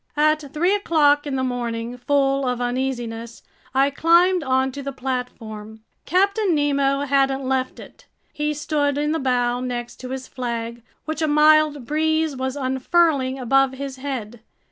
At three o'clock in the morning, full of uneasiness, I climbed onto the platform. Captain Nemo hadn't left it. He stood in the bow next to his flag, which a mild breeze was unfurling above his head.